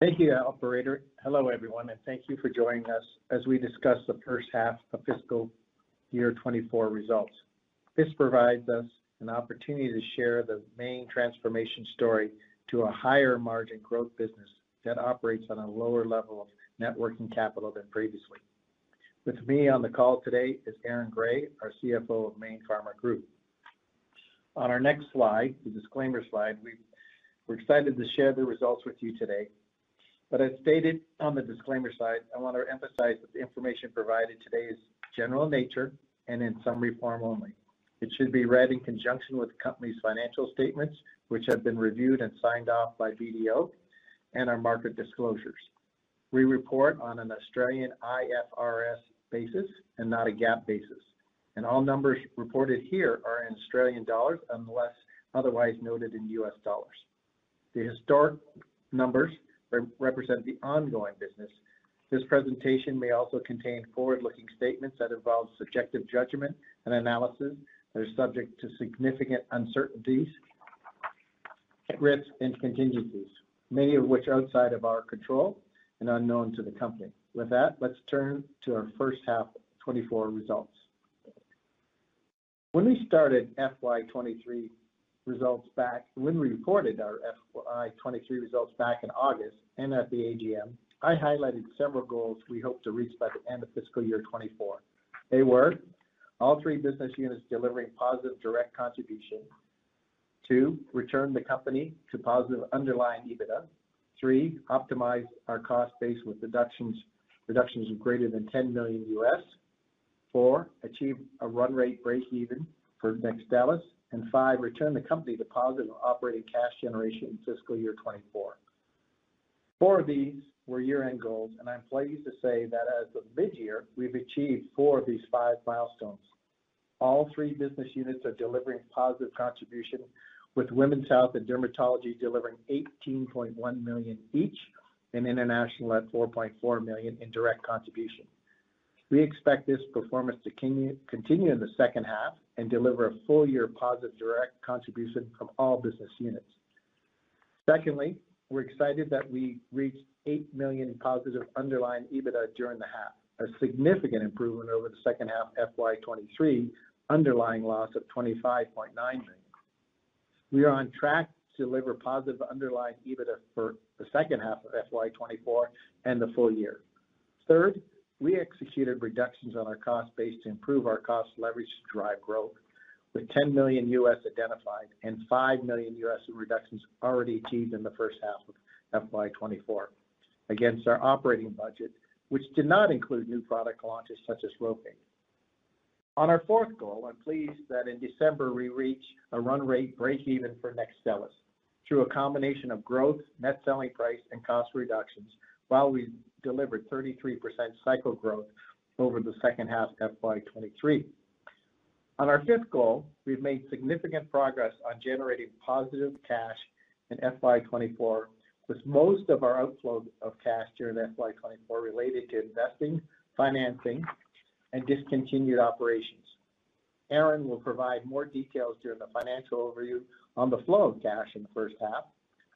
Thank you, Operator. Hello, everyone, and thank you for joining us as we discuss the first half of fiscal year 2024 results. This provides us an opportunity to share the Mayne transformation story to a higher-margin growth business that operates on a lower level of net working capital than previously. With me on the call today is Aaron Gray, our CFO of Mayne Pharma Group. On our next slide, the disclaimer slide, we're excited to share the results with you today. As stated on the disclaimer slide, I want to emphasize that the information provided today is general in nature and in summary form only. It should be read in conjunction with the company's financial statements, which have been reviewed and signed off by BDO, and our market disclosures. We report on an Australian IFRS basis and not a GAAP basis. All numbers reported here are in Australian dollars unless otherwise noted in U.S. dollars. The historic numbers represent the ongoing business. This presentation may also contain forward-looking statements that involve subjective judgment and analysis that are subject to significant uncertainties, risks, and contingencies, many of which are outside of our control and unknown to the company. With that, let's turn to our first half of 2024 results. When we started FY 2023 results back, when we reported our FY 2023 results back in August and at the AGM, I highlighted several goals we hope to reach by the end of fiscal year 2024. They were: all three business units delivering positive direct contribution; two, return the company to positive underlying EBITDA; three, optimize our cost base with deductions of greater than $10 million; four, achieve a run rate break-even for NEXTSTELLIS; and five, return the company to positive operating cash generation in fiscal year 2024. Four of these were year-end goals, and I'm pleased to say that as of mid-year, we've achieved four of these five milestones. All three business units are delivering positive contribution, with Women's Health and Dermatology delivering $18.1 million each and International at $4.4 million in direct contribution. We expect this performance to continue in the second half and deliver a full-year positive direct contribution from all business units. Secondly, we're excited that we reached $8 million in positive underlying EBITDA during the half, a significant improvement over the second half of FY 2023, underlying loss of $25.9 million. We are on track to deliver positive underlying EBITDA for the second half of FY 2024 and the full year. Third, we executed reductions on our cost base to improve our cost leverage to drive growth, with $10 million identified and $5 million in reductions already achieved in the first half of FY 2024 against our operating budget, which did not include new product launches such as NEXTSTELLIS. On our fourth goal, I'm pleased that in December we reached a run rate break-even for NEXTSTELLIS through a combination of growth, net selling price, and cost reductions, while we delivered 33% cycle growth over the second half of FY 2023. On our fifth goal, we've made significant progress on generating positive cash in FY 2024, with most of our outflow of cash during FY 2024 related to investing, financing, and discontinued operations. Aaron will provide more details during the financial overview on the flow of cash in the first half.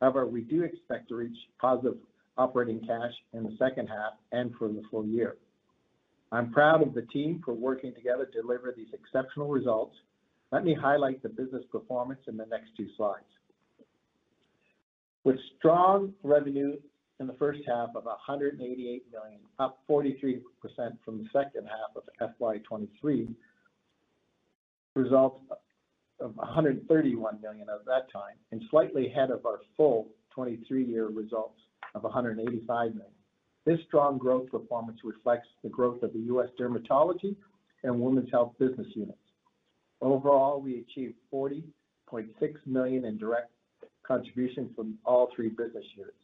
However, we do expect to reach positive operating cash in the second half and for the full year. I'm proud of the team for working together to deliver these exceptional results. Let me highlight the business performance in the next two slides. With strong revenue in the first half of $188 million, up 43% from the second half of FY 2023, results of $131 million at that time, and slightly ahead of our full 2023 year results of $185 million. This strong growth performance reflects the growth of the U.S. dermatology and women's health business units. Overall, we achieved $40.6 million in direct contribution from all three business units.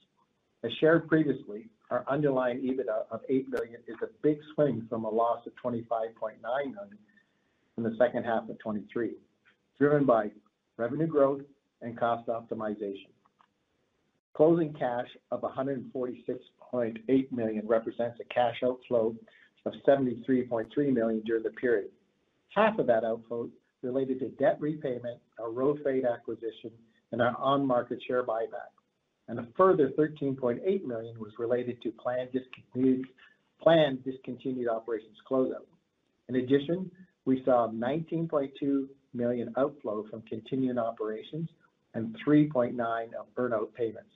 As shared previously, our underlying EBITDA of $8 million is a big swing from a loss of $25.9 million in the second half of 2023, driven by revenue growth and cost optimization. Closing cash of $146.8 million represents a cash outflow of $73.3 million during the period. Half of that outflow related to debt repayment, our road RHOFADE acquisition, and our on-market share buyback. A further $13.8 million was related to planned discontinued operations closing. In addition, we saw a $19.2 million outflow from continuing operations and $3.9 million of earn-out payments.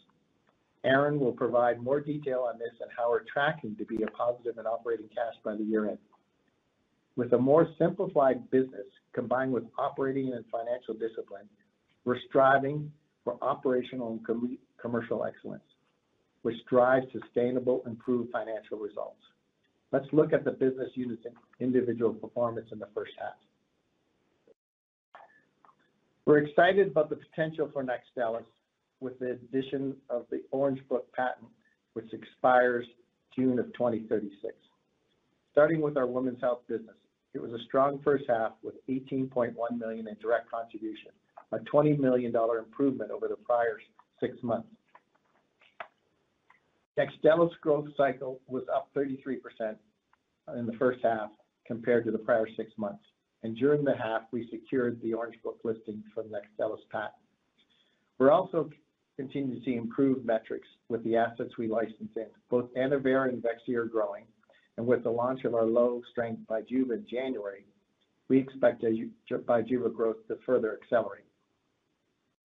Aaron will provide more detail on this and how we're tracking to be a positive in operating cash by the year-end. With a more simplified business combined with operating and financial discipline, we're striving for operational and commercial excellence, which drives sustainable, improved financial results. Let's look at the business units' individual performance in the first half. We're excited about the potential for Nextstellis with the addition of the Orange Book patent, which expires June of 2036. Starting with our women's health business, it was a strong first half with $18.1 million in direct contribution, a $20 million improvement over the prior six months. Nextstellis' growth cycle was up 33% in the first half compared to the prior six months. During the half, we secured the Orange Book listing for Nextstellis patent. We're also continuing to see improved metrics with the assets we licensed in. Both Annovera and Vyleesi are growing. With the launch of our low strength BIJUVA in January, we expect BIJUVA growth to further accelerate.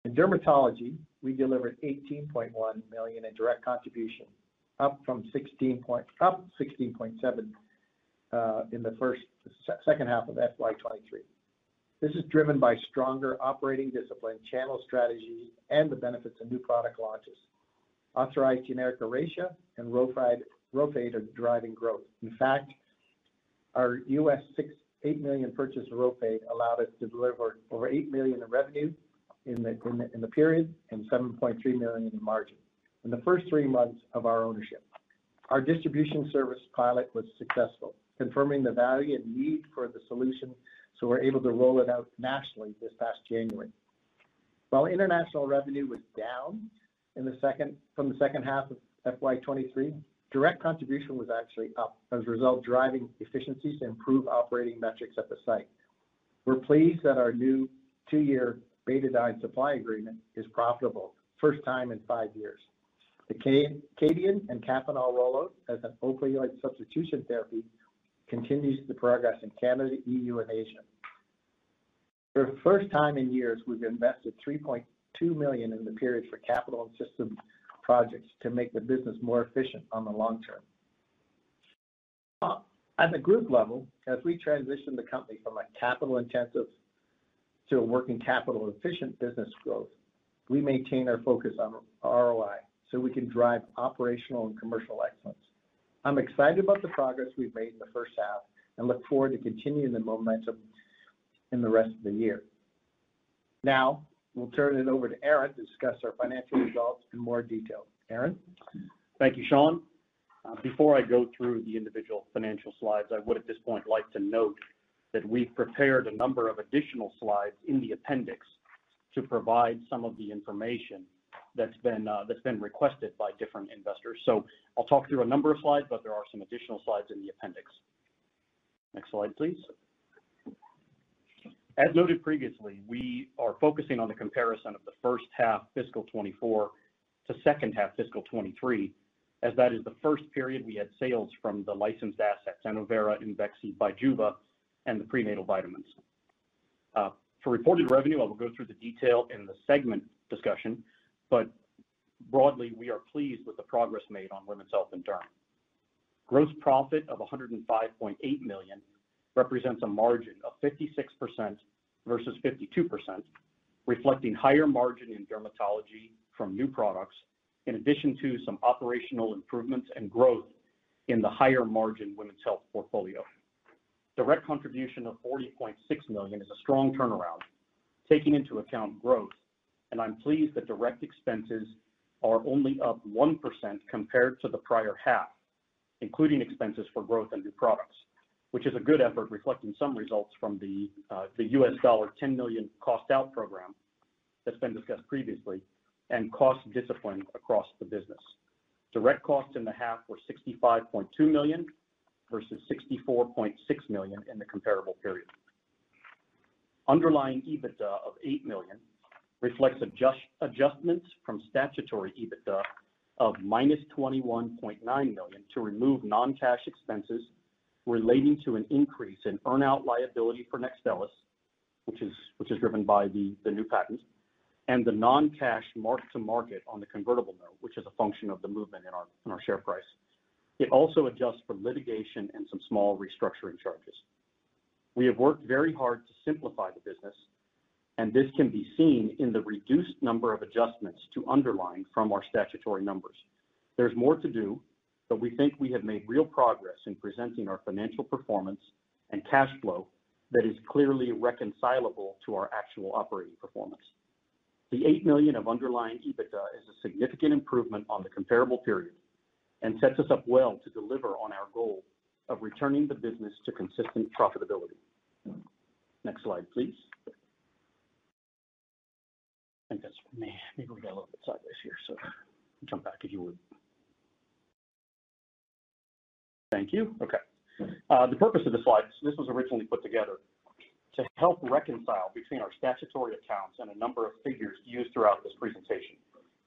In dermatology, we delivered $18.1 million in direct contribution, up from $16.7 million in the second half of FY 2023. This is driven by stronger operating discipline, channel strategies, and the benefits of new product launches. Authorized generic Aviane and Roflumilast are driving growth. In fact, our $8 million purchase of Roflumilast allowed us to deliver over $8 million in revenue in the period and $7.3 million in margin in the first three months of our ownership. Our distribution service pilot was successful, confirming the value and need for the solution, so we were able to roll it out nationally this past January. While international revenue was down from the second half of FY 2023, direct contribution was actually up, as a result driving efficiencies to improve operating metrics at the site. We're pleased that our new two-year Betadine supply agreement is profitable, first time in five years. The Kadian and Kapanol roll-out as an opioid substitution therapy continues the progress in Canada, EU, and Asia. For the first time in years, we've invested $3.2 million in the period for capital and system projects to make the business more efficient on the long term. At the group level, as we transition the company from a capital-intensive to a working capital-efficient business growth, we maintain our focus on ROI so we can drive operational and commercial excellence. I'm excited about the progress we've made in the first half and look forward to continuing the momentum in the rest of the year. Now, we'll turn it over to Aaron to discuss our financial results in more detail. Aaron? Thank you, Shawn. Before I go through the individual financial slides, I would at this point like to note that we've prepared a number of additional slides in the appendix to provide some of the information that's been requested by different investors. I'll talk through a number of slides, but there are some additional slides in the appendix. Next slide, please. As noted previously, we are focusing on the comparison of the first half, fiscal 2024, to second half, fiscal 2023, as that is the first period we had sales from the licensed assets, Annovera, IMVEXXY, BIJUVA, and the prenatal vitamins. For reported revenue, I will go through the detail in the segment discussion, but broadly, we are pleased with the progress made on women's health and derm. Gross profit of $105.8 million represents a margin of 56% versus 52%, reflecting higher margin in dermatology from new products, in addition to some operational improvements and growth in the higher margin women's health portfolio. Direct contribution of $40.6 million is a strong turnaround, taking into account growth, and I'm pleased that direct expenses are only up 1% compared to the prior half, including expenses for growth and new products, which is a good effort reflecting some results from the U.S. dollar $10 million cost-out program that's been discussed previously and cost discipline across the business. Direct costs in the half were $65.2 million versus $64.6 million in the comparable period. Underlying EBITDA of $8 million reflects adjustments from statutory EBITDA of $21.9 million to remove non-cash expenses relating to an increase in earn-out liability for Nextstellis, which is driven by the new patent, and the non-cash mark-to-market on the convertible note, which is a function of the movement in our share price. It also adjusts for litigation and some small restructuring charges. We have worked very hard to simplify the business, and this can be seen in the reduced number of adjustments to underlying from our statutory numbers. There is more to do, but we think we have made real progress in presenting our financial performance and cash flow that is clearly reconcilable to our actual operating performance. The $8 million of underlying EBITDA is a significant improvement on the comparable period and sets us up well to deliver on our goal of returning the business to consistent profitability. Next slide, please. Thank you. Maybe we got a little bit sideways here, so jump back if you would. Thank you. Okay. The purpose of the slides, this was originally put together to help reconcile between our statutory accounts and a number of figures used throughout this presentation.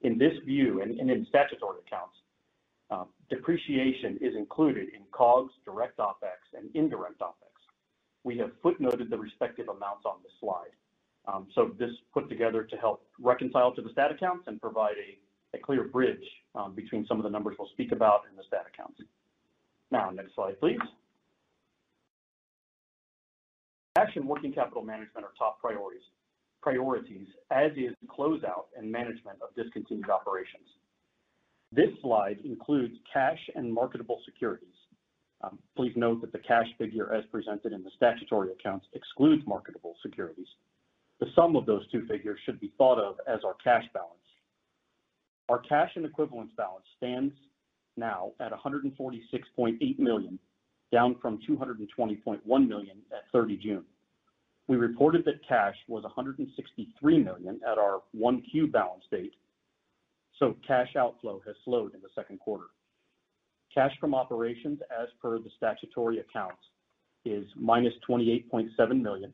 In this view and in statutory accounts, depreciation is included in COGS, direct opex, and indirect opex. We have footnoted the respective amounts on the slide. This is put together to help reconcile to the stat accounts and provide a clear bridge between some of the numbers we'll speak about in the stat accounts. Now, next slide, please. Cash and working capital management are top priorities, as is closeout and management of discontinued operations. This slide includes cash and marketable securities. Please note that the cash figure as presented in the statutory accounts excludes marketable securities. The sum of those two figures should be thought of as our cash balance. Our cash and equivalents balance stands now at $146.8 million, down from $220.1 million at 30 June. We reported that cash was $163 million at our 1Q balance date, so cash outflow has slowed in the second quarter. Cash from operations, as per the statutory accounts, is minus $28.7 million,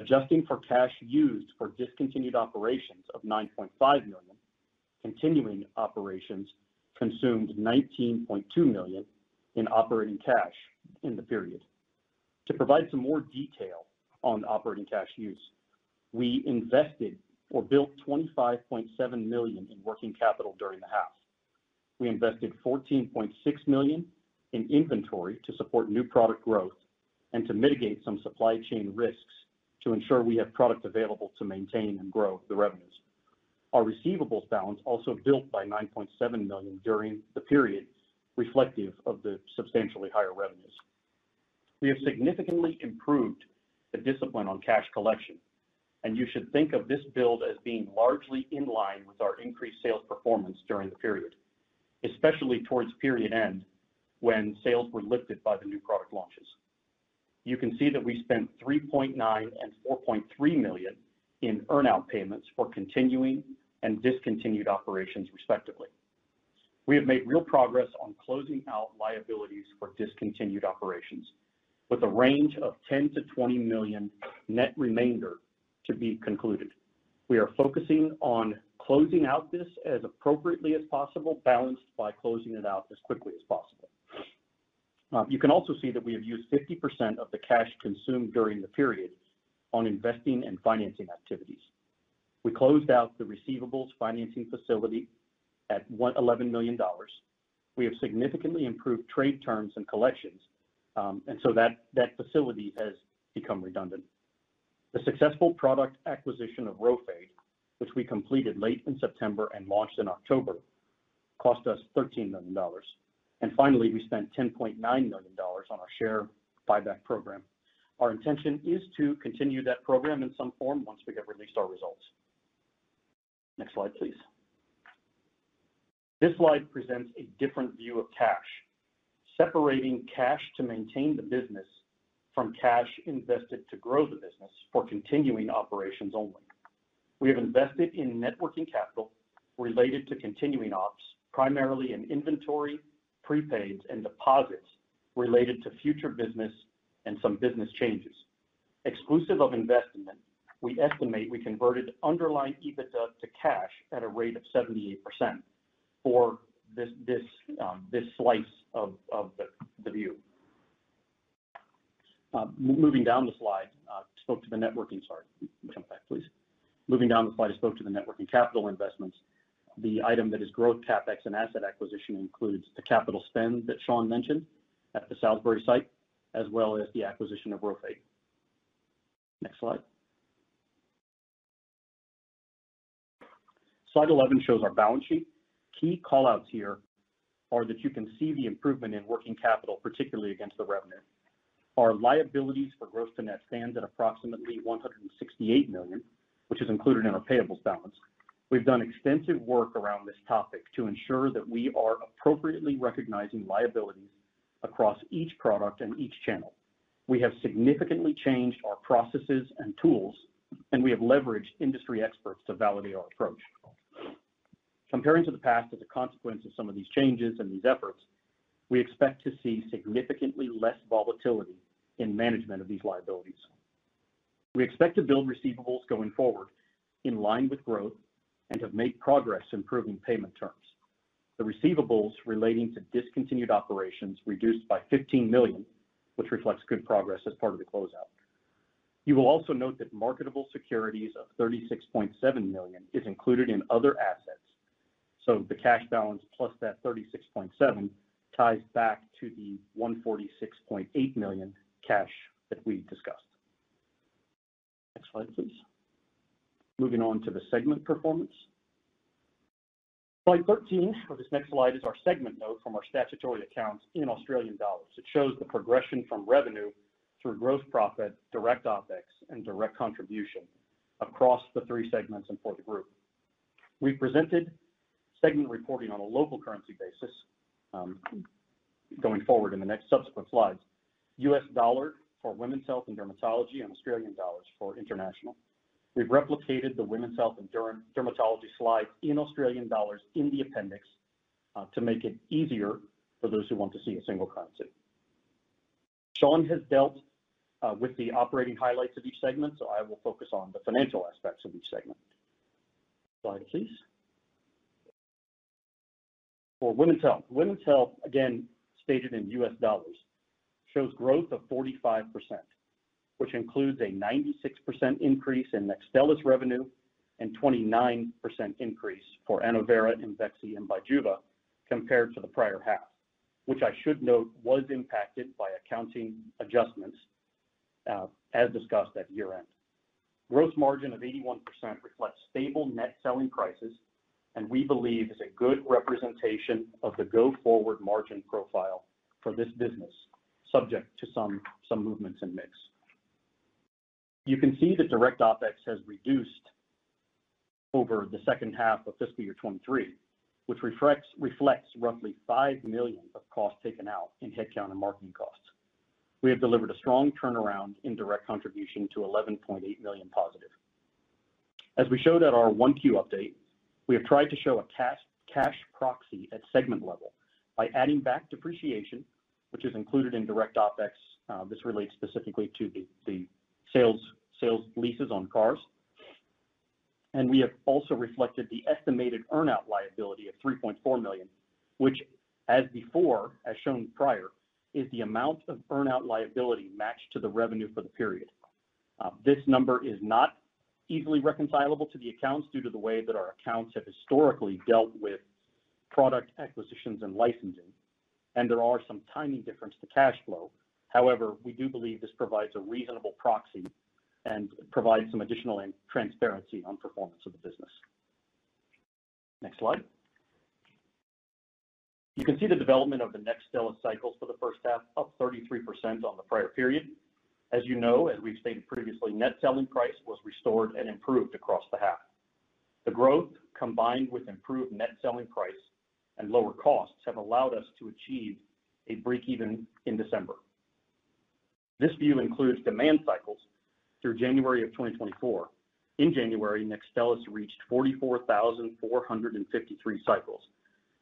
adjusting for cash used for discontinued operations of $9.5 million, continuing operations consumed $19.2 million in operating cash in the period. To provide some more detail on operating cash use, we invested or built $25.7 million in working capital during the half. We invested $14.6 million in inventory to support new product growth and to mitigate some supply chain risks to ensure we have product available to maintain and grow the revenues. Our receivables balance also built by $9.7 million during the period, reflective of the substantially higher revenues. We have significantly improved the discipline on cash collection, and you should think of this build as being largely in line with our increased sales performance during the period, especially towards period end when sales were lifted by the new product launches. You can see that we spent $3.9 million and $4.3 million in earn-out payments for continuing and discontinued operations, respectively. We have made real progress on closing out liabilities for discontinued operations, with a range of $10 million-$20 million net remainder to be concluded. We are focusing on closing out this as appropriately as possible, balanced by closing it out as quickly as possible. You can also see that we have used 50% of the cash consumed during the period on investing and financing activities. We closed out the receivables financing facility at $11 million. We have significantly improved trade terms and collections, and so that facility has become redundant. The successful product acquisition of Roflumilast, which we completed late in September and launched in October, cost us $13 million. Finally, we spent $10.9 million on our share buyback program. Our intention is to continue that program in some form once we get released our results. Next slide, please. This slide presents a different view of cash, separating cash to maintain the business from cash invested to grow the business for continuing operations only. We have invested in net working capital related to continuing ops, primarily in inventory, prepaids, and deposits related to future business and some business changes. Exclusive of investment, we estimate we converted underlying EBITDA to cash at a rate of 78% for this slice of the view. Moving down the slide, I spoke to the networking—sorry, jump back, please. Moving down the slide, I spoke to the networking capital investments. The item that is growth, CapEx, and asset acquisition includes the capital spend that Shawn mentioned at the Salisbury site, as well as the acquisition of RHOFADE. Next slide. Slide 11 shows our balance sheet. Key callouts here are that you can see the improvement in working capital, particularly against the revenue. Our liabilities for gross to net stand at approximately $168 million, which is included in our payables balance. We've done extensive work around this topic to ensure that we are appropriately recognizing liabilities across each product and each channel. We have significantly changed our processes and tools, and we have leveraged industry experts to validate our approach. Comparing to the past as a consequence of some of these changes and these efforts, we expect to see significantly less volatility in management of these liabilities. We expect to build receivables going forward in line with growth and have made progress improving payment terms. The receivables relating to discontinued operations reduced by $15 million, which reflects good progress as part of the closeout. You will also note that marketable securities of $36.7 million is included in other assets. The cash balance plus that $36.7 million ties back to the $146.8 million cash that we discussed. Next slide, please. Moving on to the segment performance. Slide 13 of this next slide is our segment note from our statutory accounts in Australian dollars. It shows the progression from revenue through gross profit, direct OpEx, and direct contribution across the three segments and for the group. We presented segment reporting on a local currency basis going forward in the next subsequent slides, U.S. dollar for women's health and dermatology and Australian dollars for international. We have replicated the women's health and dermatology slides in Australian dollars in the appendix to make it easier for those who want to see a single currency. Shawn has dealt with the operating highlights of each segment, so I will focus on the financial aspects of each segment. Slide please. For women's health, women's health, again stated in U.S. dollars, shows growth of 45%, which includes a 96% increase in Nextstellis revenue and 29% increase for Annovera, Imvexxy, and Bijuva compared to the prior half, which I should note was impacted by accounting adjustments as discussed at year-end. Gross margin of 81% reflects stable net selling prices, and we believe is a good representation of the go-forward margin profile for this business, subject to some movements in mix. You can see that direct OpEx has reduced over the second half of fiscal year 2023, which reflects roughly $5 million of costs taken out in headcount and marketing costs. We have delivered a strong turnaround in direct contribution to $11.8 million positive. As we showed at our Q1 update, we have tried to show a cash proxy at segment level by adding back depreciation, which is included in direct OpEx. This relates specifically to the sales leases on cars. We have also reflected the estimated earn-out liability of $3.4 million, which, as before, as shown prior, is the amount of earn-out liability matched to the revenue for the period. This number is not easily reconcilable to the accounts due to the way that our accounts have historically dealt with product acquisitions and licensing, and there are some tiny differences to cash flow. However, we do believe this provides a reasonable proxy and provides some additional transparency on performance of the business. Next slide. You can see the development of the Nextstellis cycles for the first half, up 33% on the prior period. As you know, as we've stated previously, net selling price was restored and improved across the half. The growth, combined with improved net selling price and lower costs, have allowed us to achieve a break-even in December. This view includes demand cycles through January of 2024. In January, Nextstellis reached 44,453 cycles.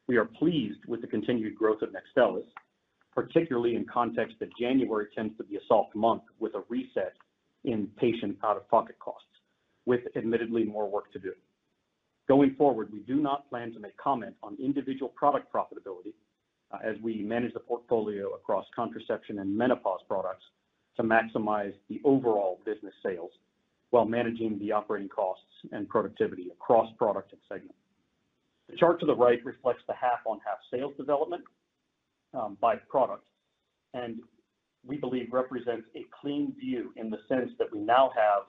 We are pleased with the continued growth of Nextstellis, particularly in context that January tends to be a soft month with a reset in patient out-of-pocket costs, with admittedly more work to do. Going forward, we do not plan to make comment on individual product profitability as we manage the portfolio across contraception and menopause products to maximize the overall business sales while managing the operating costs and productivity across product and segment. The chart to the right reflects the half-on-half sales development by product, and we believe represents a clean view in the sense that we now have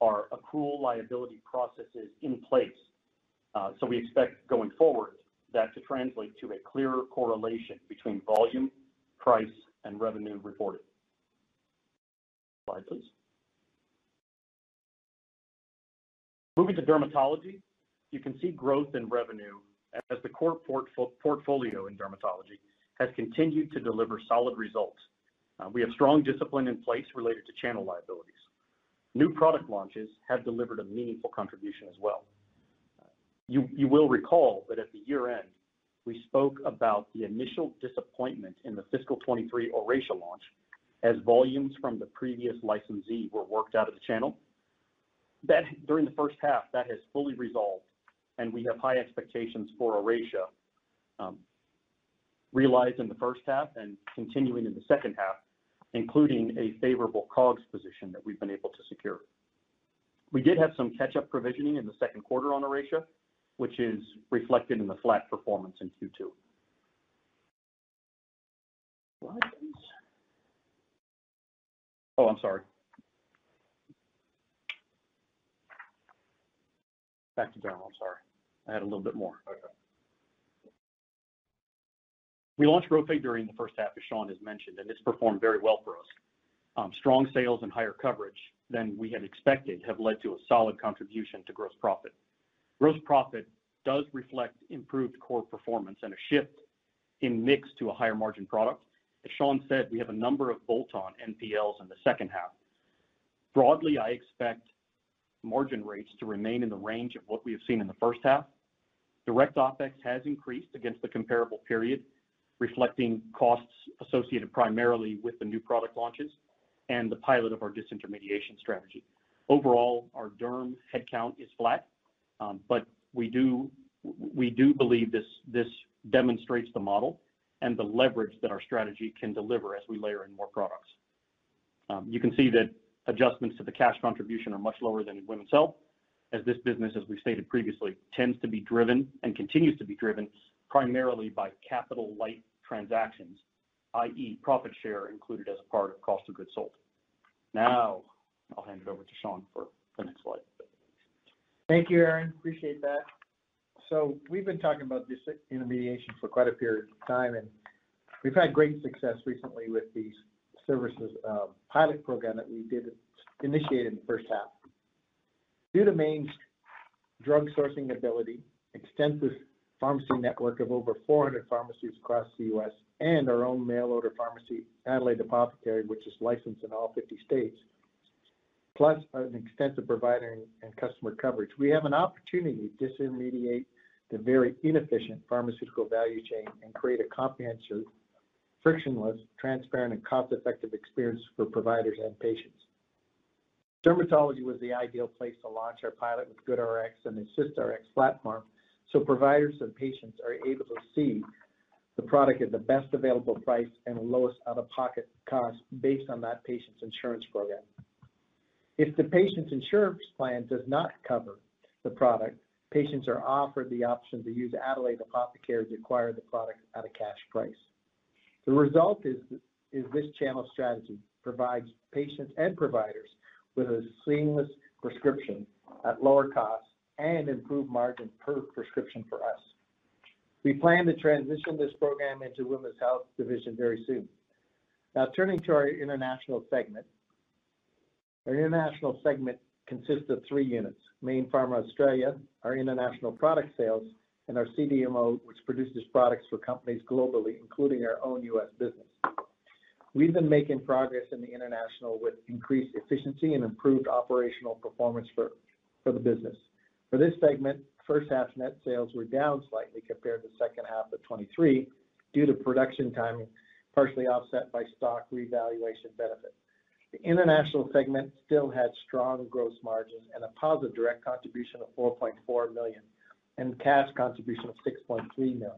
our accrual liability processes in place. We expect going forward that to translate to a clearer correlation between volume, price, and revenue reported. Next slide, please. Moving to dermatology, you can see growth in revenue as the core portfolio in dermatology has continued to deliver solid results. We have strong discipline in place related to channel liabilities. New product launches have delivered a meaningful contribution as well. You will recall that at the year-end, we spoke about the initial disappointment in the fiscal 2023 Oracea launch as volumes from the previous licensee were worked out of the channel. During the first half, that has fully resolved, and we have high expectations for Oracea realized in the first half and continuing in the second half, including a favorable COGS position that we've been able to secure. We did have some catch-up provisioning in the second quarter on Oracea, which is reflected in the flat performance in Q2. Oh, I'm sorry. Back to general. I'm sorry. I had a little bit more. We launched Roflumilast during the first half, as Shawn has mentioned, and it's performed very well for us. Strong sales and higher coverage than we had expected have led to a solid contribution to gross profit. Gross profit does reflect improved core performance and a shift in mix to a higher margin product. As Shawn said, we have a number of bolt-on NPLs in the second half. Broadly, I expect margin rates to remain in the range of what we have seen in the first half. Direct opex has increased against the comparable period, reflecting costs associated primarily with the new product launches and the pilot of our disintermediation strategy. Overall, our derm headcount is flat, but we do believe this demonstrates the model and the leverage that our strategy can deliver as we layer in more products. You can see that adjustments to the cash contribution are much lower than in women's health, as this business, as we've stated previously, tends to be driven and continues to be driven primarily by capital-light transactions, i.e., profit share included as a part of cost of goods sold. Now, I'll hand it over to Shawn for the next slide. Thank you, Aaron. Appreciate that. We have been talking about disintermediation for quite a period of time, and we've had great success recently with the services pilot program that we did initiate in the first half. Due to Mayne's drug sourcing ability, extensive pharmacy network of over 400 pharmacies across the U.S., and our own mail-order pharmacy, Adelaide Apothecary, which is licensed in all 50 states, plus an extensive provider and customer coverage, we have an opportunity to disintermediate the very inefficient pharmaceutical value chain and create a comprehensive, frictionless, transparent, and cost-effective experience for providers and patients. Dermatology was the ideal place to launch our pilot with GoodRx and the AssistRx platform, so providers and patients are able to see the product at the best available price and the lowest out-of-pocket cost based on that patient's insurance program. If the patient's insurance plan does not cover the product, patients are offered the option to use Adelaide Apothecary to acquire the product at a cash price. The result is this channel strategy provides patients and providers with a seamless prescription at lower cost and improved margin per prescription for us. We plan to transition this program into women's health division very soon. Now, turning to our international segment. Our international segment consists of three units: Mayne Pharma Australia, our international product sales, and our CDMO, which produces products for companies globally, including our own U.S. business. We've been making progress in the international with increased efficiency and improved operational performance for the business. For this segment, first half net sales were down slightly compared to the second half of 2023 due to production time partially offset by stock revaluation benefits. The international segment still had strong gross margins and a positive direct contribution of $4.4 million and cash contribution of $6.3 million.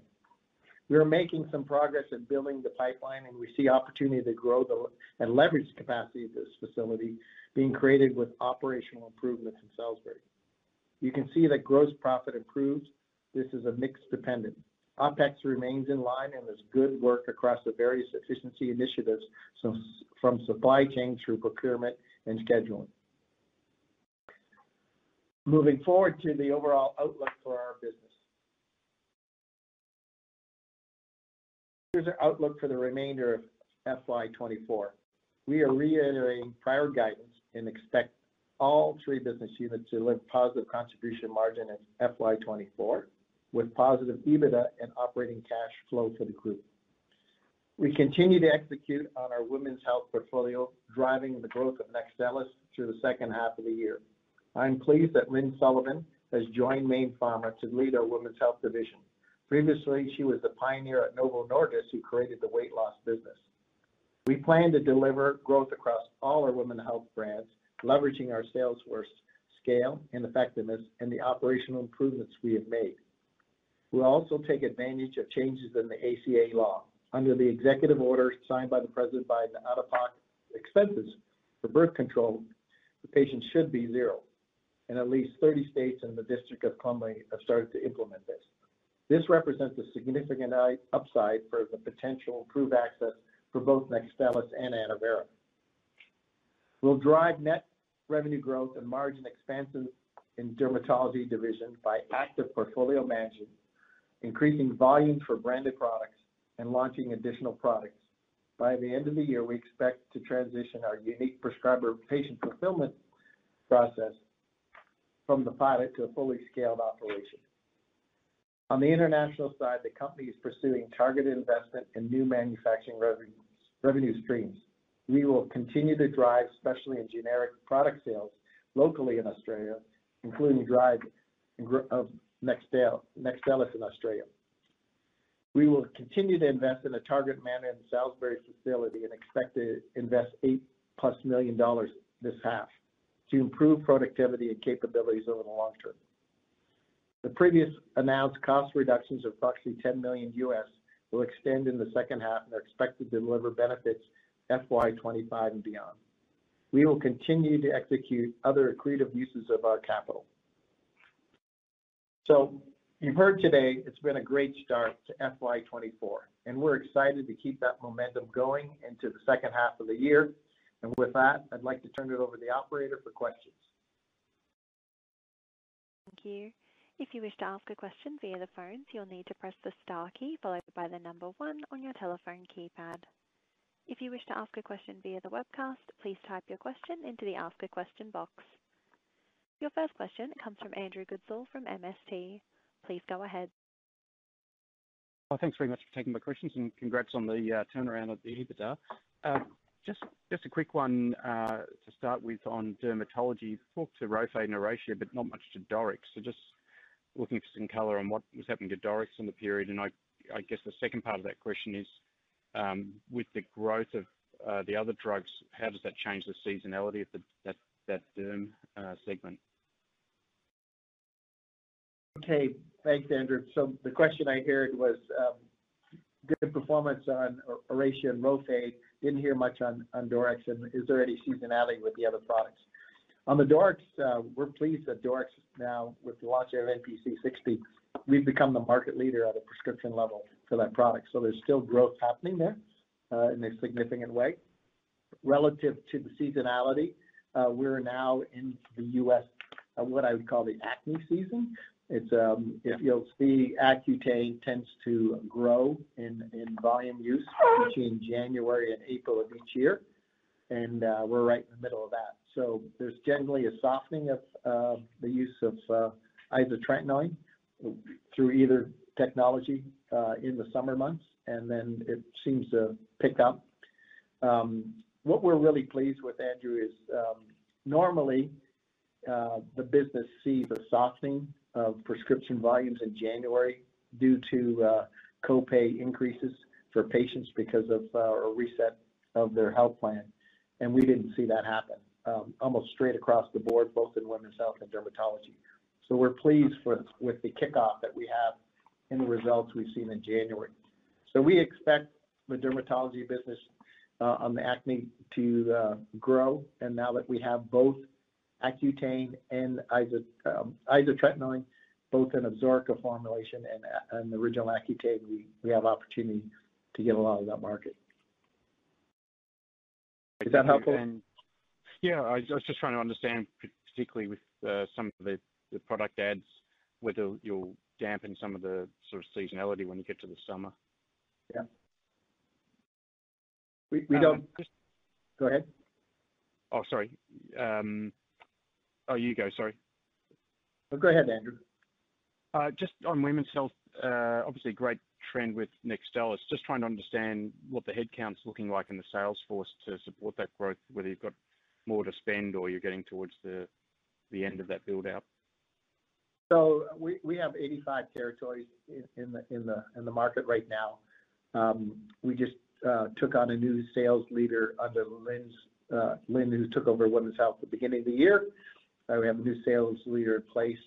We are making some progress in building the pipeline, and we see opportunity to grow and leverage the capacity of this facility being created with operational improvements in Salisbury. You can see that gross profit improved. This is a mix dependent. OpEx remains in line, and there's good work across the various efficiency initiatives from supply chain through procurement and scheduling. Moving forward to the overall outlook for our business. Here's our outlook for the remainder of FY2024. We are reiterating prior guidance and expect all three business units to deliver positive contribution margin in FY2024 with positive EBITDA and operating cash flow for the group. We continue to execute on our women's health portfolio, driving the growth of Nextstellis through the second half of the year. I'm pleased that Lynn Sullivan has joined Mayne Pharma to lead our women's health division. Previously, she was the pioneer at Novo Nordisk who created the weight loss business. We plan to deliver growth across all our women's health brands, leveraging our sales force scale and effectiveness and the operational improvements we have made. We'll also take advantage of changes in the ACA law. Under the executive order signed by President Biden, out-of-pocket expenses for birth control, the patient should be zero, and at least 30 states in the District of Columbia have started to implement this. This represents a significant upside for the potential improved access for both Nextstellis and Annovera. We'll drive net revenue growth and margin expansion in the dermatology division by active portfolio management, increasing volumes for branded products and launching additional products. By the end of the year, we expect to transition our unique prescriber patient fulfillment process from the pilot to a fully scaled operation. On the international side, the company is pursuing targeted investment in new manufacturing revenue streams. We will continue to drive specialty and generic product sales locally in Australia, including drive Nextstellis in Australia. We will continue to invest in a target manufacturing Salisbury facility and expect to invest $8 million-plus this half to improve productivity and capabilities over the long term. The previously announced cost reductions of approximately $10 million U.S. will extend in the second half and are expected to deliver benefits in FY2025 and beyond. We will continue to execute other accretive uses of our capital. You have heard today, it has been a great start to FY2024, and we are excited to keep that momentum going into the second half of the year. With that, I would like to turn it over to the operator for questions. Thank you. If you wish to ask a question via the phone, you'll need to press the star key followed by the number one on your telephone keypad. If you wish to ask a question via the webcast, please type your question into the Ask a Question box. Your first question comes from Andrew Goodsall from MST. Please go ahead. Thanks very much for taking my questions and congrats on the turnaround of the EBITDA. Just a quick one to start with on dermatology. Talked to Roflumilast and Oracea, but not much to Doryx. Just looking for some color on what was happening to Doryx in the period. I guess the second part of that question is, with the growth of the other drugs, how does that change the seasonality of that derm segment? Thanks, Andrew. The question I heard was good performance on Oracea and Roflumilast. Didn't hear much on Doryx. Is there any seasonality with the other products? On the Doryx, we're pleased that Doryx now, with the launch of MPC 60, we've become the market leader at a prescription level for that product. There's still growth happening there in a significant way. Relative to the seasonality, we're now in the U.S., what I would call the acne season. You'll see Accutane tends to grow in volume use between January and April of each year, and we're right in the middle of that. There's generally a softening of the use of isotretinoin through either technology in the summer months, and then it seems to pick up. What we're really pleased with, Andrew, is normally the business sees a softening of prescription volumes in January due to copay increases for patients because of a reset of their health plan. We did not see that happen almost straight across the board, both in women's health and dermatology. We are pleased with the kickoff that we have in the results we have seen in January. We expect the dermatology business on the acne to grow. Now that we have both Accutane and isotretinoin, both in Absorica formulation and the original Accutane, we have opportunity to get a lot of that market. Is that helpful? Yeah. I was just trying to understand, particularly with some of the product ads, whether you will dampen some of the sort of seasonality when you get to the summer. Yeah. We do not. Go ahead. Oh, sorry. Oh, you go. Sorry. Go ahead, Andrew. Just on women's health, obviously a great trend with Nextstellis, just trying to understand what the headcount's looking like in the sales force to support that growth, whether you've got more to spend or you're getting towards the end of that build-out. We have 85 territories in the market right now. We just took on a new sales leader under Lynn, who took over women's health at the beginning of the year. We have a new sales leader in place.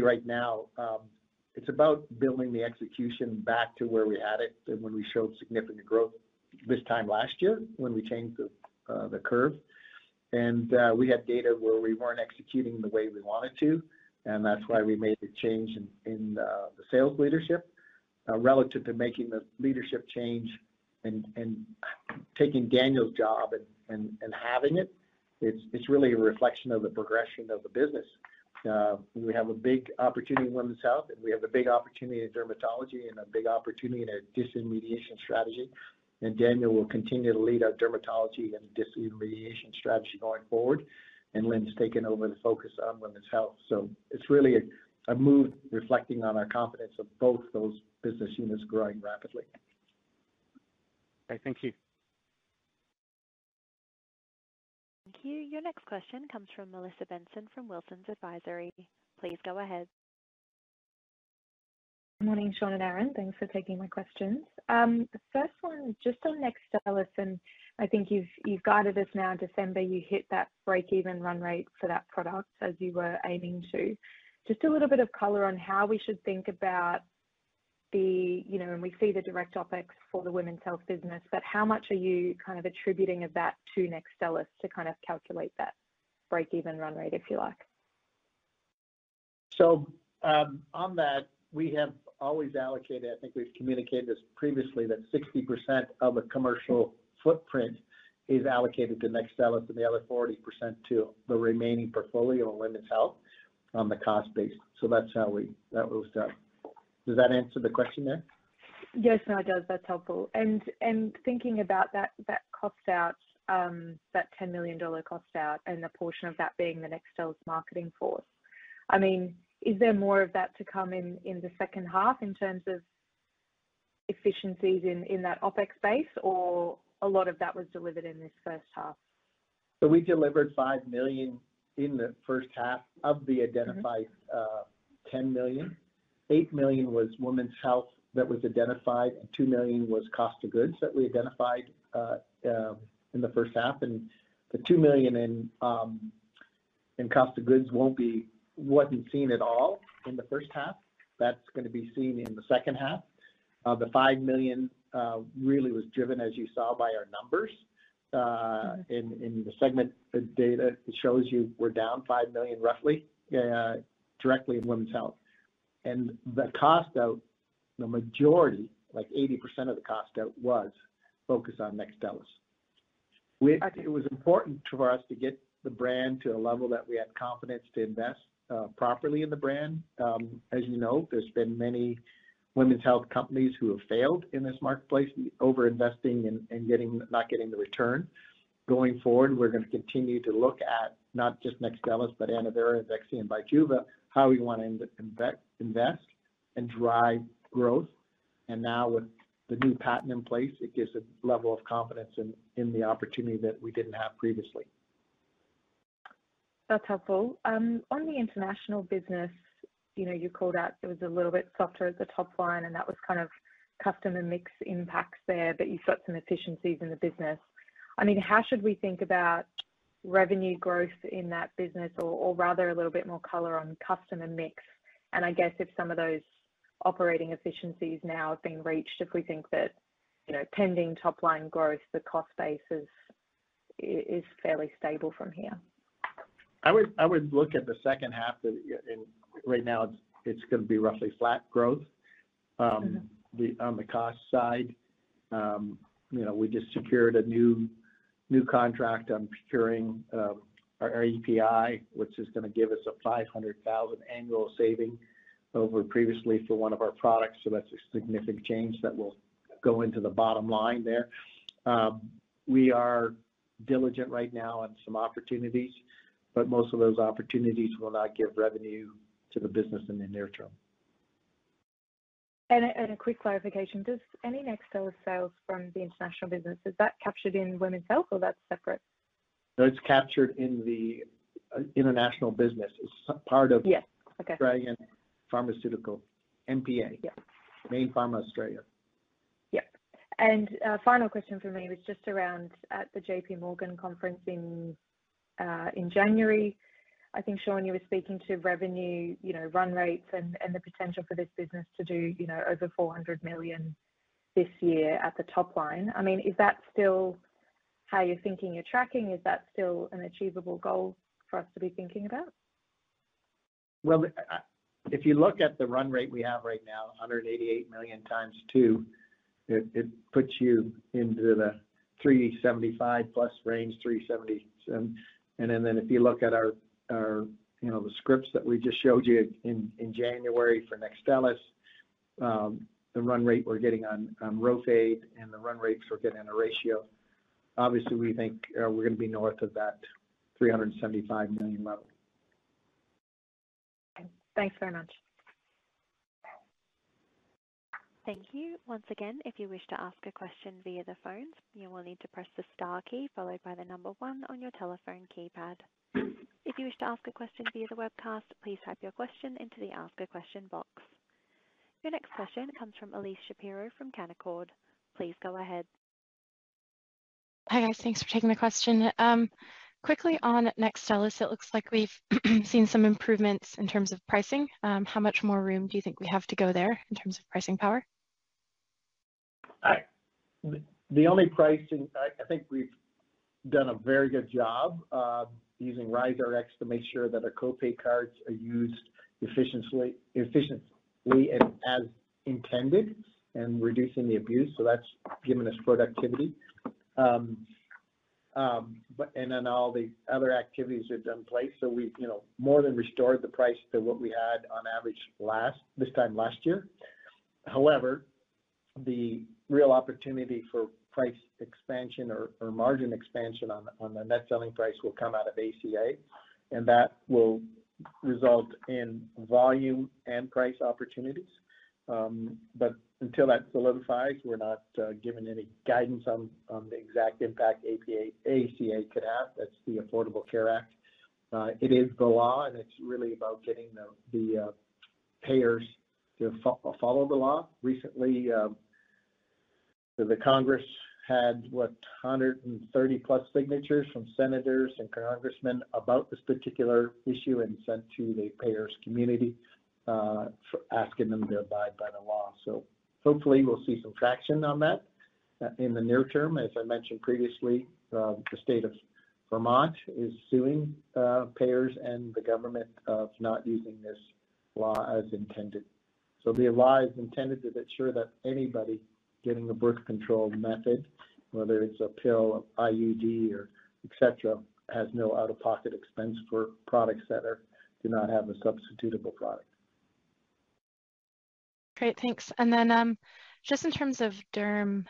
Right now, it's about building the execution back to where we had it and when we showed significant growth this time last year when we changed the curve. We had data where we weren't executing the way we wanted to, and that's why we made the change in the sales leadership. Relative to making the leadership change and taking Daniel's job and having it, it's really a reflection of the progression of the business. We have a big opportunity in women's health, and we have a big opportunity in dermatology and a big opportunity in our disintermediation strategy. Daniel will continue to lead our dermatology and disintermediation strategy going forward, and Lynn's taken over the focus on women's health. It is really a move reflecting on our confidence of both those business units growing rapidly. Okay. Thank you. Thank you. Your next question comes from Melissa Benson from Wilsons Advisory. Please go ahead. Good morning, Shawn and Aaron. Thanks for taking my questions. First one, just on Nextstellis, and I think you've guided us now in December. You hit that break-even run rate for that product as you were aiming to. Just a little bit of color on how we should think about the, when we see the direct OpEx for the women's health business, but how much are you kind of attributing of that to Nextstellis to kind of calculate that break-even run rate, if you like? On that, we have always allocated, I think we've communicated this previously, that 60% of the commercial footprint is allocated to Nextstellis and the other 40% to the remaining portfolio of women's health on the cost base. That's how it was done. Does that answer the question there? Yes, it does. That's helpful. Thinking about that cost out, that $10 million cost out, and the portion of that being the Nextstellis marketing force, I mean, is there more of that to come in the second half in terms of efficiencies in that OpEx space, or a lot of that was delivered in this first half? We delivered $5 million in the first half of the identified $10 million. $8 million was women's health that was identified, and $2 million was cost of goods that we identified in the first half. The $2 million in cost of goods was not seen at all in the first half. That is going to be seen in the second half. The $5 million really was driven, as you saw, by our numbers. In the segment data, it shows you we are down $5 million roughly directly in women's health. The cost out, the majority, like 80% of the cost out, was focused on Nextstellis. It was important for us to get the brand to a level that we had confidence to invest properly in the brand. As you know, there have been many women's health companies who have failed in this marketplace, overinvesting and not getting the return. Going forward, we're going to continue to look at not just Nextstellis, but Annovera, Vyleesi, and Bijuva, how we want to invest and drive growth. Now, with the new patent in place, it gives a level of confidence in the opportunity that we did not have previously. That's helpful. On the international business, you called out it was a little bit softer at the top line, and that was kind of customer mix impacts there, but you've got some efficiencies in the business. I mean, how should we think about revenue growth in that business, or rather a little bit more color on customer mix? I guess if some of those operating efficiencies now have been reached, if we think that pending top-line growth, the cost basis is fairly stable from here. I would look at the second half of right now, it's going to be roughly flat growth on the cost side. We just secured a new contract on procuring our API, which is going to give us a $500,000 annual saving over previously for one of our products. That is a significant change that will go into the bottom line there. We are diligent right now on some opportunities, but most of those opportunities will not give revenue to the business in the near term. A quick clarification. Does any Nextstellis sales from the international business, is that captured in women's health, or that's separate? It's captured in the international business. It's part of Dragon Pharmaceutical, MPA, Mayne Pharma Australia. Yep. Final question for me was just around at the JP Morgan conference in January. I think, Shawn, you were speaking to revenue run rates and the potential for this business to do over $400 million this year at the top line. I mean, is that still how you're thinking you're tracking? Is that still an achievable goal for us to be thinking about? If you look at the run rate we have right now, $188 million times two, it puts you into the $375 million-plus range, $370 million. If you look at the scripts that we just showed you in January for NEXTSTELLIS, the run rate we're getting on RHOFADE and the run rates we're getting on ORACEA, obviously, we think we're going to be north of that $375 million level. Thanks very much. Thank you. Once again, if you wish to ask a question via the phone, you will need to press the star key followed by the number one on your telephone keypad. If you wish to ask a question via the webcast, please type your question into the ask a question box. Your next question comes from Elyse Shapiro from Canaccord. Please go ahead. Hi, guys. Thanks for taking the question. Quickly on NEXTSTELLIS, it looks like we've seen some improvements in terms of pricing. How much more room do you think we have to go there in terms of pricing power? The only pricing, I think we've done a very good job using RisRx to make sure that our copay cards are used efficiently and as intended and reducing the abuse. That's given us productivity. All the other activities are done in place. We've more than restored the price to what we had on average this time last year. However, the real opportunity for price expansion or margin expansion on the net selling price will come out of ACA, and that will result in volume and price opportunities. Until that solidifies, we're not giving any guidance on the exact impact ACA could have. That's the Affordable Care Act. It is the law, and it's really about getting the payers to follow the law. Recently, the Congress had, what, 130-plus signatures from senators and congressmen about this particular issue and sent to the payers' community asking them to abide by the law. Hopefully, we'll see some traction on that in the near term. As I mentioned previously, the state of Vermont is suing payers and the government of not using this law as intended. The law is intended to ensure that anybody getting a birth control method, whether it's a pill, IUD, etc., has no out-of-pocket expense for products that do not have a substitutable product. Great. Thanks. In terms of derm,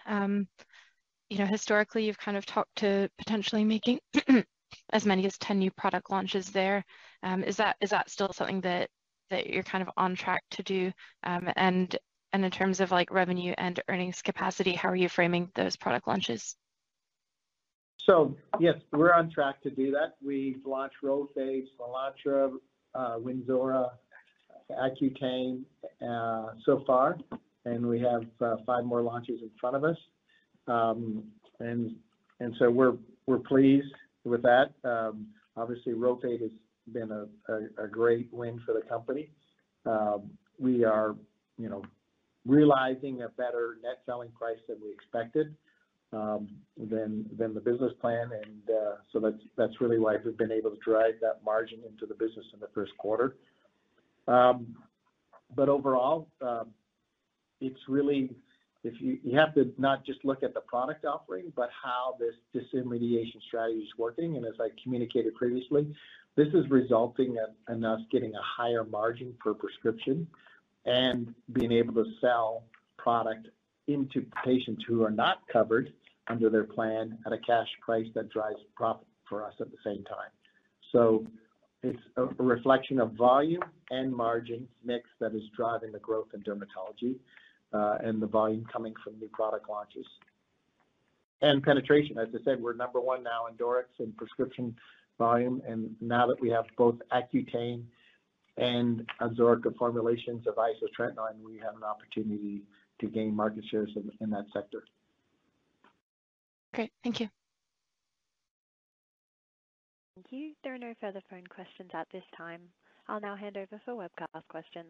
historically, you've kind of talked to potentially making as many as 10 new product launches there. Is that still something that you're kind of on track to do? In terms of revenue and earnings capacity, how are you framing those product launches? Yes, we're on track to do that. We've launched Roflumilast, Soolantra, Wynzora, Accutane so far, and we have five more launches in front of us. We're pleased with that. Obviously, Roflumilast has been a great win for the company. We are realizing a better net selling price than we expected than the business plan. That's really why we've been able to drive that margin into the business in the first quarter. Overall, you have to not just look at the product offering, but how this disintermediation strategy is working. As I communicated previously, this is resulting in us getting a higher margin per prescription and being able to sell product into patients who are not covered under their plan at a cash price that drives profit for us at the same time. It's a reflection of volume and margin mix that is driving the growth in dermatology and the volume coming from new product launches. Penetration, as I said, we're number one now in Doryx in prescription volume. Now that we have both Accutane and Absorica formulations of isotretinoin, we have an opportunity to gain market shares in that sector. Great. Thank you. Thank you. There are no further phone questions at this time. I'll now hand over for webcast questions.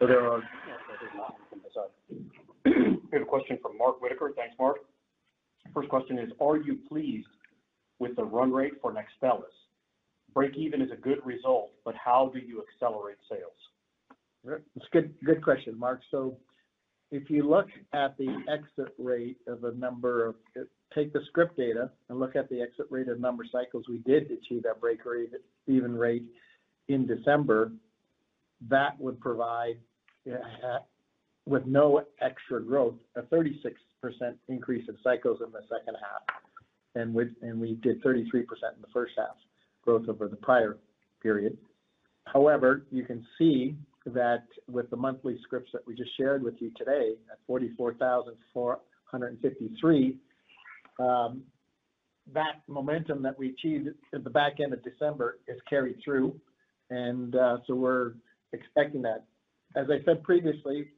We have a question from Mark Whitaker. Thanks, Mark. First question is, are you pleased with the run rate for Nextstellis? Break-even is a good result, but how do you accelerate sales? It's a good question, Mark. If you look at the exit rate of a number of take the script data and look at the exit rate of number cycles, we did achieve that break-even rate in December. That would provide, with no extra growth, a 36% increase in cycles in the second half. We did 33% in the first half growth over the prior period. However, you can see that with the monthly scripts that we just shared with you today at 44,453, that momentum that we achieved at the back end of December is carried through. We are expecting that. As I said previously,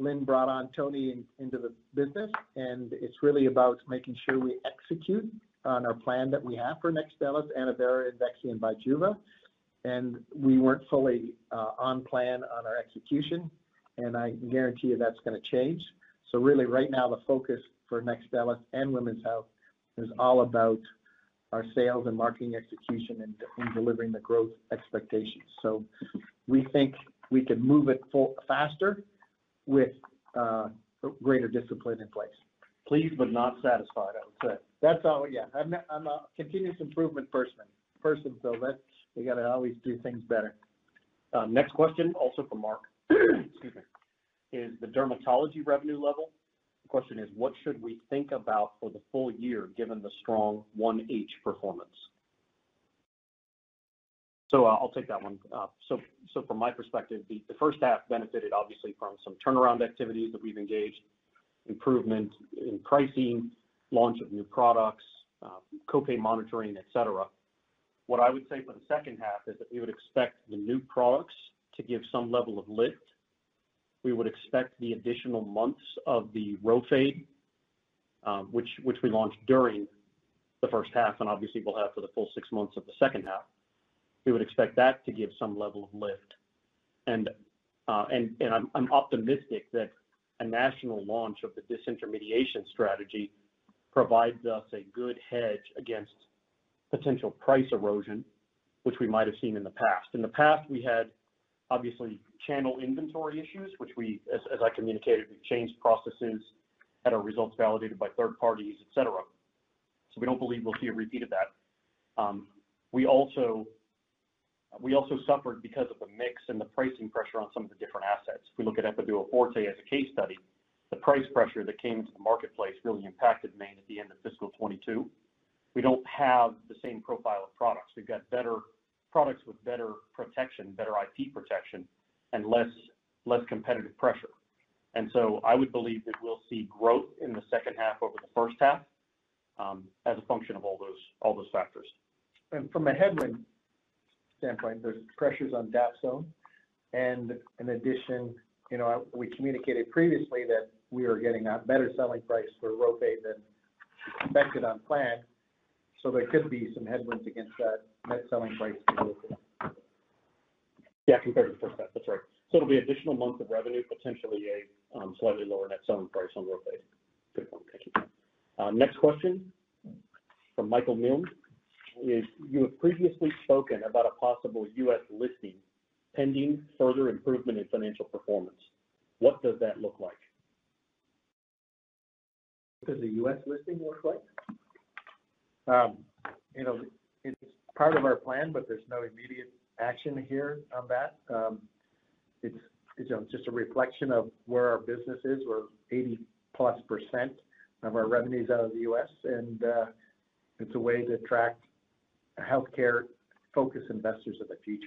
Lynn brought on Tony into the business, and it is really about making sure we execute on our plan that we have for NEXTSTELLIS, Annovera, Vyleesi, and BIJUVA. We were not fully on plan on our execution, and I can guarantee you that is going to change. Really, right now, the focus for Nextstellis and women's health is all about our sales and marketing execution and delivering the growth expectations. We think we can move it faster with greater discipline in place. Pleased but not satisfied, I would say. That's all. Yeah. I'm a continuous improvement person, so we got to always do things better. Next question, also for Mark, excuse me, is the dermatology revenue level. The question is, what should we think about for the full year given the strong 1H performance? I'll take that one. From my perspective, the first half benefited obviously from some turnaround activities that we've engaged, improvement in pricing, launch of new products, copay monitoring, etc. What I would say for the second half is that we would expect the new products to give some level of lift. We would expect the additional months of the Roflumilast, which we launched during the first half, and obviously, we'll have for the full six months of the second half. We would expect that to give some level of lift. I'm optimistic that a national launch of the disintermediation strategy provides us a good hedge against potential price erosion, which we might have seen in the past. In the past, we had channel inventory issues, which, as I communicated, we've changed processes that are results validated by third parties, etc. We don't believe we'll see a repeat of that. We also suffered because of the mix and the pricing pressure on some of the different assets. If we look at Epiduo Forte as a case study, the price pressure that came into the marketplace really impacted Mayne at the end of fiscal 2022. We don't have the same profile of products. We've got better products with better protection, better IP protection, and less competitive pressure. I would believe that we'll see growth in the second half over the first half as a function of all those factors. From a headwind standpoint, there's pressures on DAP zone. In addition, we communicated previously that we are getting a better selling price for Roflumilast than expected on plan. There could be some headwinds against that net selling price for Roflumilast, compared to the first half. That's right. It will be additional months of revenue, potentially a slightly lower net selling price on Roflumilast. Thank you. Next question from Michael Milne is, you have previously spoken about a possible U.S. listing pending further improvement in financial performance. What does that look like? What does a U.S. listing look like? It's part of our plan, but there's no immediate action here on that. It's just a reflection of where our business is. We're 80+% of our revenues out of the U.S., and it's a way to attract healthcare-focused investors at the future.